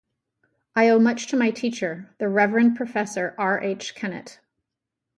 I owe much to my teacher, the Reverend Professor R. H. Kennett.